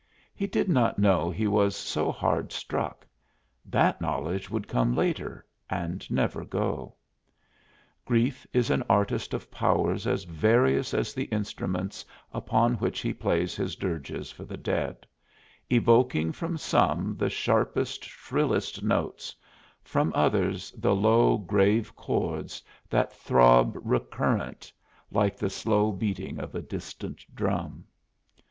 He did not know he was so hard struck; that knowledge would come later, and never go. Grief is an artist of powers as various as the instruments upon which he plays his dirges for the dead, evoking from some the sharpest, shrillest notes, from others the low, grave chords that throb recurrent like the slow beating of a distant drum.